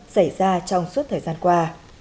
xảy ra trong suốt thời gian qua